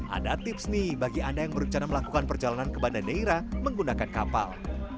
ada tips nih bagi anda yang berencana melakukan perjalanan ke banda neira menggunakan kapal